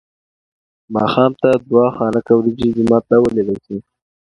ماښام ته دوه خانکه وریجې جومات ته ولېږل شوې.